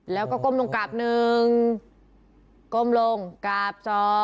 แล้วก็ก้มลงกราบ๑ก้มลงกราบ๒